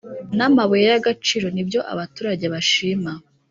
n amabuye y agaciro nibyo abaturage bashima